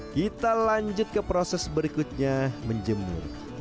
kita lanjut ke proses berikutnya menjemur